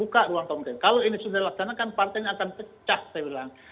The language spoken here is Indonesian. kalau ini sudah dilaksanakan partainya akan pecah saya bilang